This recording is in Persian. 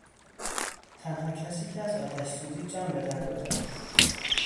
تنها کسی که از آتش سوزی جان بهدر برده است